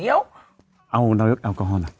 เอานายกแอลกอฮอล์